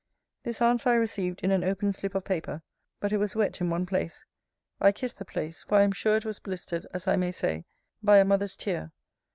This answer I received in an open slip of paper; but it was wet in one place. I kissed the place; for I am sure it was blistered, as I may say, by a mother's tear!